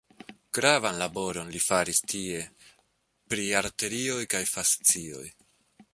Gravan laboron li faris tie pri arterioj kaj fascioj.